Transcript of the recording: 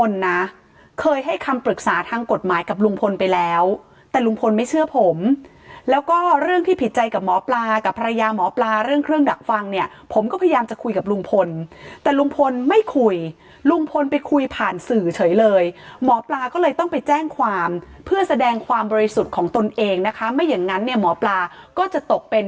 เคยให้คำปรึกษาทางกฎหมายกับลุงพลไปแล้วแต่ลุงพลไม่เชื่อผมแล้วก็เรื่องที่ผิดใจกับหมอปลากับภรรยาหมอปลาเรื่องเครื่องดักฟังเนี่ยผมก็พยายามจะคุยกับลุงพลแต่ลุงพลไม่คุยลุงพลไปคุยผ่านสื่อเฉยเลยหมอปลาก็เลยต้องไปแจ้งความเพื่อแสดงความบริสุทธิ์ของตนเองนะคะไม่อย่างนั้นเนี่ยหมอปลาก็จะตกเป็น